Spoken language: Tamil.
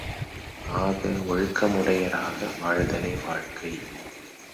ஆக ஒழுக்கமுடையராக வாழ்தலே வாழ்க்கை.